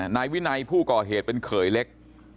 นายวินัยผู้ก่อเหตุเป็นเขยเล็ก